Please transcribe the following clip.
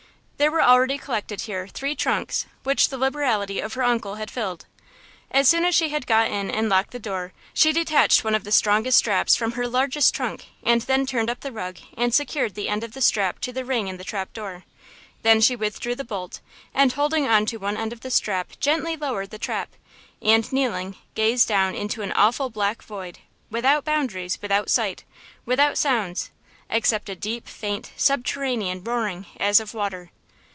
There were already collected here three trunks, which the liberality of her uncle had filled. As soon as she had got in and locked the door she detached one of the strongest straps from her largest trunk and then turned up the rug and secured the end of the strap to the ring in the trap door. Then she withdrew the bolt, and, holding on to one end of the strap, gently lowered the trap, and, kneeling, gazed down into an awful black void–without boundaries, without sight, without sounds, except a deep, faint, subterranean roaring as of water.